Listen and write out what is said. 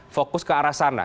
fokus ke arah sana